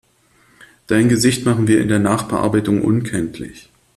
Dein Gesicht machen wir in der Nachbearbeitung unkenntlich.